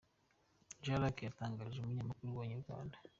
Jean Luc yatangarije umunyamakuru wa Inyarwanda.